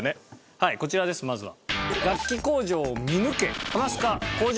はいこちらですまずは。